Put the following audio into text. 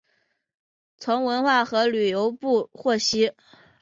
从文化和旅游部获悉